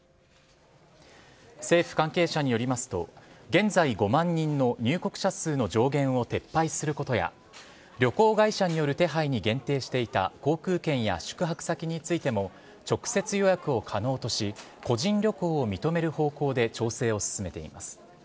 政府関係者によりますと、現在５万人の入国者数の上限を撤廃することや、旅行会社による手配に限定していた航空券や宿泊先についても、直接予約を可能とし、個人旅行を認める方向で調整を進めています。